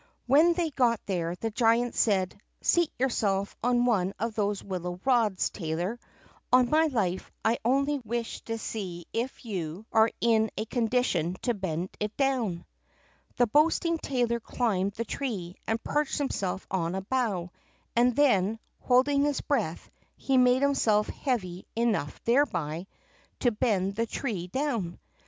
When they got there the giant said: "Seat yourself on one of these willow rods, tailor; on my life I only wish to see if you are in a condition to bend it down." The boasting tailor climbed the tree, and perched himself on a bough, and then, holding his breath, he made himself heavy enough thereby, to bend the tree down.